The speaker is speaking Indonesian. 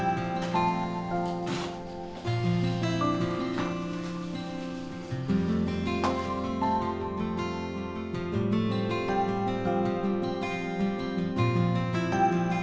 aduh ya tuhan